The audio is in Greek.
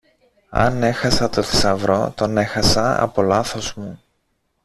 Αν έχασα το θησαυρό, τον έχασα από λάθος μου.